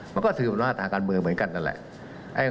มันก็สืบทอดอำนาจทางการเมืองเหมือนกัน